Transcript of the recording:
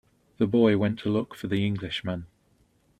The boy went to look for the Englishman.